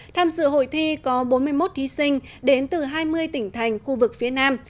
tham dự hội thi có bốn mươi một thí sinh đến từ hai mươi tỉnh thành khu vực phía nam